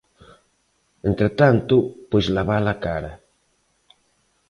Entre tanto, pois lavar a cara.